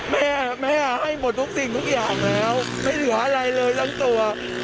แม่แม่ให้หมดทุกสิ่งทุกอย่างแล้วไม่เหลืออะไรเลยทั้งตัว